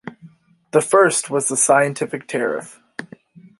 The first was the "scientific tariff".